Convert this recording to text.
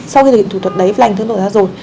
sau khi thực hiện thủ thuật đấy lành thương tổn da rồi